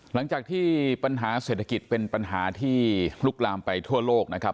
หลังจากที่ปัญหาเศรษฐกิจเป็นปัญหาที่ลุกลามไปทั่วโลกนะครับ